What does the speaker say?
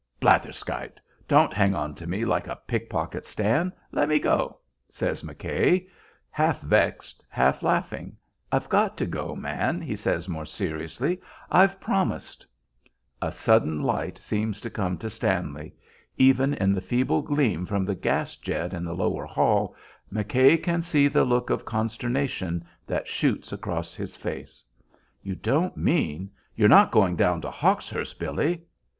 "Blatherskite! Don't hang on to me like a pick pocket, Stan. Let me go," says McKay, half vexed, half laughing. "I've got to go, man," he says, more seriously. "I've promised." A sudden light seems to come to Stanley. Even in the feeble gleam from the gas jet in the lower hall McKay can see the look of consternation that shoots across his face. "You don't mean you're not going down to Hawkshurst, Billy?"